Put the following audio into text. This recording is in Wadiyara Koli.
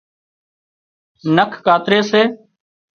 نک ڪاتري سي